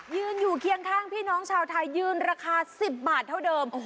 ยืนอยู่เคียงข้างพี่น้องชาวไทยยืนราคา๑๐บาทเท่าเดิม